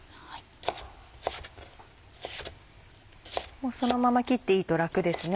もうそのまま切っていいと楽ですね。